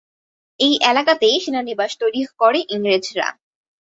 এই এলাকাতেই সেনানিবাস তৈরি করে ইংরেজরা।